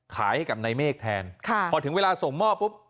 ขายให้กับนายเมฆแทนค่ะพอถึงเวลาส่งมอบปุ๊บ